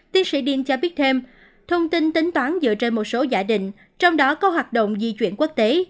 tiến sĩ diên cho biết thêm thông tin tính toán dựa trên một số giả định trong đó có hoạt động di chuyển quốc tế